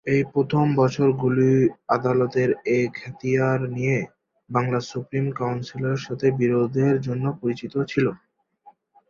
এই প্রথম বছরগুলি আদালতের এখতিয়ার নিয়ে বাংলার সুপ্রিম কাউন্সিলের সাথে বিরোধের জন্য পরিচিত ছিল।